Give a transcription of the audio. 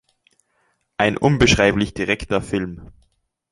Ein unbeschreiblich direkter Film.